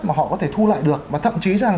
mà họ có thể thu lại được và thậm chí rằng